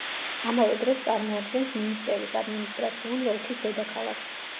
ამავე დროს, წარმოადგენს მიუნსტერის ადმინისტრაციული ოლქის დედაქალაქს.